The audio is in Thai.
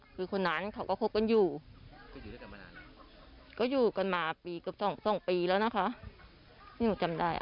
คือคนนั้นเขาก็คบกันอยู่ก็อยู่ด้วยกันมานานอ่ะ